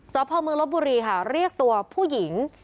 สวทธิ์ภาคมือรถบุรีค่ะเรียกตัวผู้หญิง